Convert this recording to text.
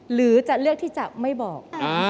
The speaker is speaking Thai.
หรือจะเลือกที่จะไม่บอก